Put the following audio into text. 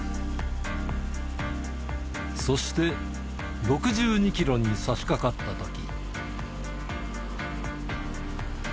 そして６２キロにさしかかったとき。